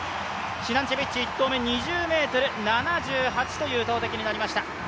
シナンチェビッチ、１投目は２０ｍ７８という投てきになりました。